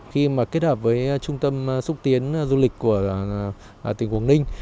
khi mà kết hợp với trung tâm xúc tiến du lịch của tỉnh quảng ninh